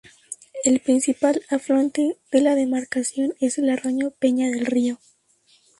El principal afluente de la demarcación es el arroyo Peña del río.